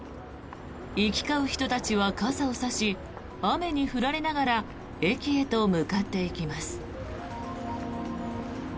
行き交う人たちは傘を差し雨に降られながら駅へと向かっていきます。